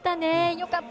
よかった！